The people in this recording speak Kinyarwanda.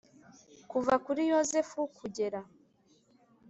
Kuva kuri Yozefu kugera